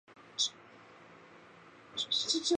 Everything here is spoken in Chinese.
而示范单位设于湾仔英皇集团中心。